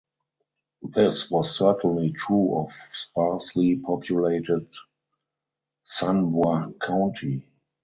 This was certainly true of sparsely populated San Bois County.